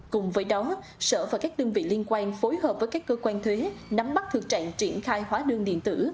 cùng với đó sở và các đơn vị liên quan phối hợp với các cơ quan thuế nắm bắt thực trạng triển khai hóa đơn điện tử